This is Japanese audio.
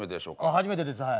初めてですはい。